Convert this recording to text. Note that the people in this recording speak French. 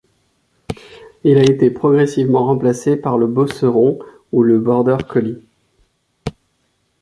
Il a été progressivement remplacé par le Beauceron ou le Border collie.